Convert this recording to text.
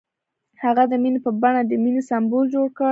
هغه د مینه په بڼه د مینې سمبول جوړ کړ.